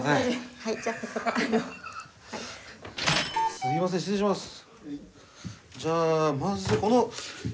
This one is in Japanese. すいません失礼します。